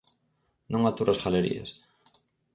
Non aturo as galerías.